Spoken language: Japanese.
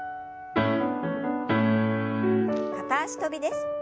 片脚跳びです。